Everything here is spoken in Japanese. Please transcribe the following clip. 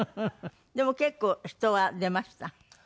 でも結構人は出ました？